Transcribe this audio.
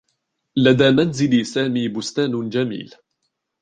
لدى منزل سامي بستان جميل.